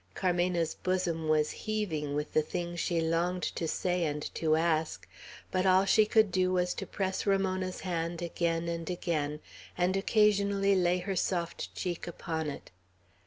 Carmena's bosom was heaving with the things she longed to say and to ask; but all she could do was to press Ramona's hand again and again, and occasionally lay her soft cheek upon it.